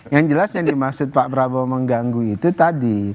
yang jelas yang dimaksud pak prabowo mengganggu itu tadi